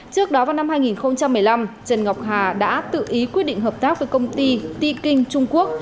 trước đó vào năm hai nghìn một mươi năm trần ngọc hà đã tự ý quyết định hợp tác với công ty tiking trung quốc